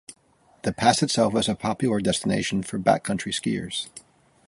The pass itself is a popular destination for backcountry skiers.